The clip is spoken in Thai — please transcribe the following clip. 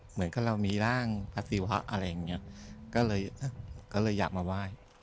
เหมือนกับเรามีร่างพระศิวะอะไรอย่างเงี้ยก็เลยก็เลยอยากมาไหว้